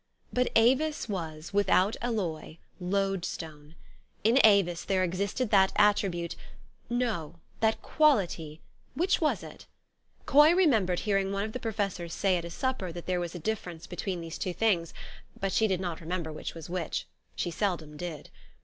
But Avis was, without alloy, loadstone. In Avis there existed that attribute no, that quality ; which was it ? Coy remembered hearing one of the Professors say at a supper that there was a difference between these two things ; but she did not remem ber which was which : she seldom did.